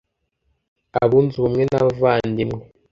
abunze ubumwe n'abavandimwe